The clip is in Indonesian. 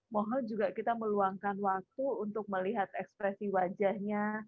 mohon juga kita meluangkan waktu untuk melihat ekspresi wajahnya